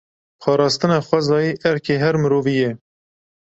Parastina xwezayê erkê her mirovî ye.